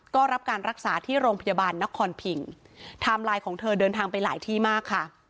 ก็รับการรักษาที่โรงพยาบาลนครพิงไทม์ไลน์ของเธอเดินทางไปหลายที่มากค่ะ